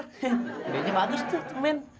hidupnya bagus tuh men